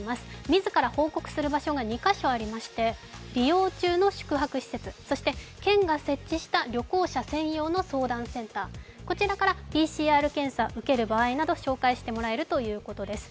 自ら報告する場所が２カ所ありまして利用中の宿泊施設そして県が設置した旅行者専用の相談センター、こちらからＰＣＲ検査を受ける場合など紹介してくれるということです。